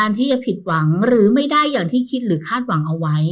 ที่จะผิดหวังหรือไม่ได้อย่างที่คิดหรือคาดหวังเอาไว้